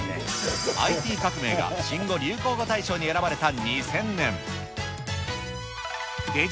ＩＴ革命が新語・流行語大賞に選ばれた２０００年。